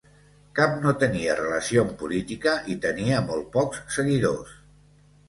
Cap no tenia relació amb política i tenia molt pocs seguidors.